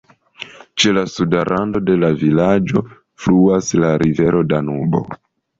Ĉe la suda rando de la vilaĝo fluas la rivero Danubo.